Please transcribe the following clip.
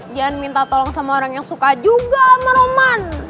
jangan minta tolong sama orang yang suka juga sama roman